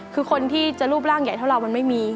คือคนที่จะรูปร่างใหญ่เท่าเรามันไม่มี